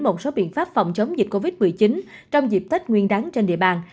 một số biện pháp phòng chống dịch covid một mươi chín trong dịp tết nguyên đáng trên địa bàn